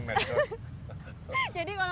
medsos jadi kalau